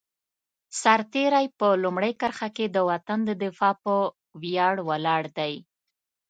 سرتېری په لومړۍ کرښه کې د وطن د دفاع په ویاړ ولاړ دی.